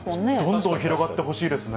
どんどん広がってほしいです